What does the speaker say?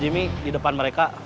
ya udah dia sudah selesai